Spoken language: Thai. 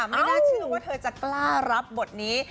ไม่น่าเชื่อว่าเธอจะกล้ารับบทนี้